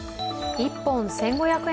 １本１５００円